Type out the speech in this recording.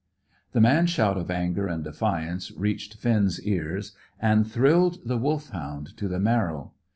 The man's shout of anger and defiance reached Finn's ears, and thrilled the Wolfhound to the marrow.